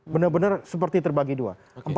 benar benar seperti terbagi dua